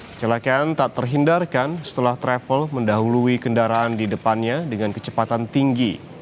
kecelakaan tak terhindarkan setelah travel mendahului kendaraan di depannya dengan kecepatan tinggi